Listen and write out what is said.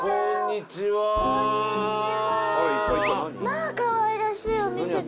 まあかわいらしいお店で。